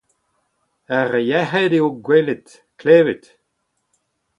ur yec'hed eo gwelout, klevout